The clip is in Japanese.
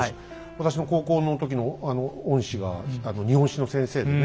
私の高校の時の恩師が日本史の先生でね